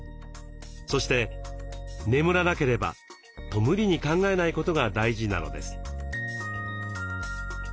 そして「眠らなければ」と無理に考えないことが大事なのです。